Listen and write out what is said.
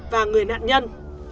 và người nạn nhân